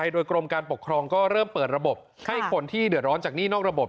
โดยกรมการปกครองก็เริ่มเปิดระบบให้คนที่เดือดร้อนจากหนี้นอกระบบ